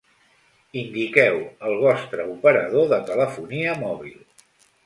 Indiqueu el vostre operador de telefonia mòbil.